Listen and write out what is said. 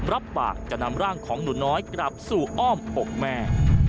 รับปากจะนำร่างของหนูน้อยกลับสู่อ้อมอกแม่